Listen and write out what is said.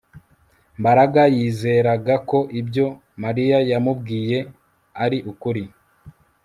Mbaraga yizeraga ko ibyo Mariya yamubwiye ari ukuri